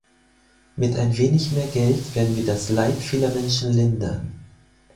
Mit ein wenig mehr Geld werden wir das Leid vieler Menschen lindern.